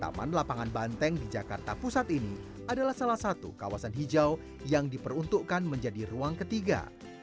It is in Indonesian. taman lapangan banteng di jakarta pusat ini adalah salah satu kawasan hijau yang diperuntukkan menjadi ruang ketiga